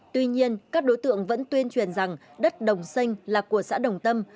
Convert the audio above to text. tuy nhiên các đối tượng vẫn tuyên truyền rằng đất đồng xanh là của xã đồng tâm